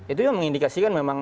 itu yang mengindikasikan memang